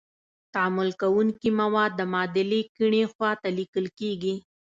تعامل کوونکي مواد د معادلې کیڼې خواته لیکل کیږي.